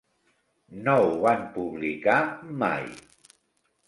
No ho van publicar mai.